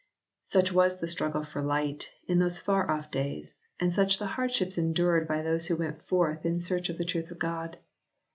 Such was the struggle for light in those far off days and such the hardships endured by those who went forth in search of the truth of God.